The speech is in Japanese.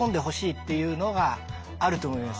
っていうのがあると思います。